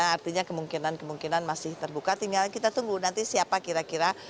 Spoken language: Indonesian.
artinya kemungkinan kemungkinan masih terbuka tinggal kita tunggu nanti siapa kira kira